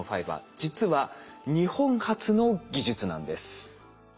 実は日本発の技術なんです。